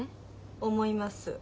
思います。